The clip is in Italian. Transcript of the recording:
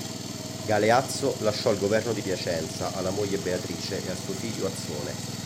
Galeazzo lasciò il governo di Piacenza alla moglie Beatrice e a suo figlio Azzone.